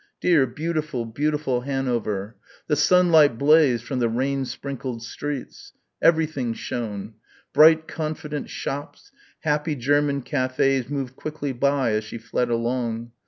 dear beautiful, beautiful Hanover ... the sunlight blazed from the rain sprinkled streets. Everything shone. Bright confident shops, happy German cafés moved quickly by as she fled along.